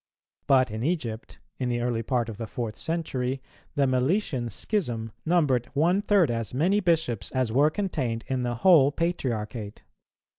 But in Egypt, in the early part of the fourth century, the Meletian schism numbered one third as many bishops as were contained in the whole Patriarchate.